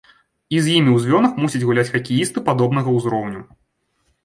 І з імі ў звёнах мусяць гуляць хакеісты падобнага ўзроўню.